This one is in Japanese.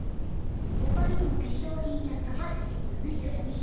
他にも化粧品やそばっしーのぬいぐるみ。